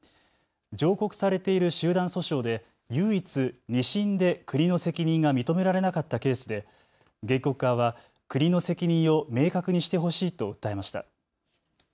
上告されている集団訴訟で唯一、２審で国の責任が認められなかったケースで原告側は国の責任を明確にしてほしいと訴えました。